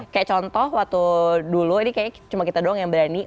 kayak contoh waktu dulu ini kayaknya cuma kita doang yang berani